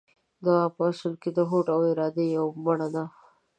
دعا په اصل کې د هوډ او ارادې يوه بڼه ده.